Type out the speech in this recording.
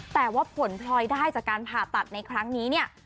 แต่ว่าผลพลอยได้จากการผ่าตัดในครั้งนี้เนี่ย